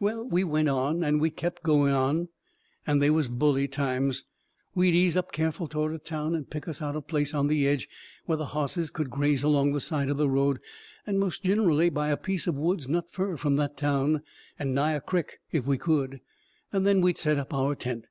Well, we went on, and we kept going on, and they was bully times. We'd ease up careful toward a town, and pick us out a place on the edge, where the hosses could graze along the side of the road; and most ginerally by a piece of woods not fur from that town, and nigh a crick, if we could. Then we'd set up our tent.